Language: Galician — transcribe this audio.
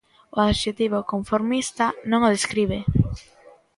O adxectivo conformista non o describe.